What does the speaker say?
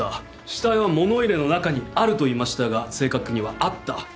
死体は「物入れの中にある」と言いましたが正確には「あった」